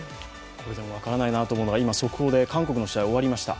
分からないなと思うのが、速報で韓国の試合、終わりました。